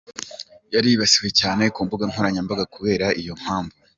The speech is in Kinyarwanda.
Yaribasiwe cyane ku mbuga nkoranyambaga kubera iyo mpamvu.